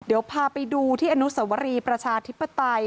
เดี๋ยวพาไปดูที่อนุสวรีประชาธิปไตย